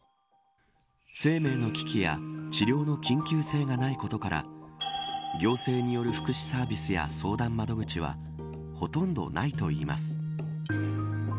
生命の危機や治療の緊急性がないことから行政による福祉サービスや相談窓口はほとんどないといいます。